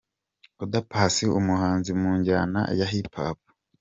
Oda Paccy umuhanzi mu njyana ya HipHop.